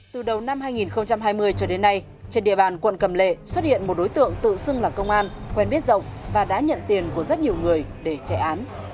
từ đầu năm hai nghìn hai mươi cho đến nay trên địa bàn quận cầm lệ xuất hiện một đối tượng tự xưng là công an quen biết rộng và đã nhận tiền của rất nhiều người để chạy án